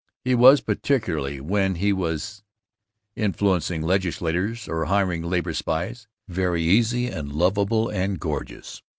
He was, particularly when he was influencing legislatures or hiring labor spies, very easy and lovable and gorgeous.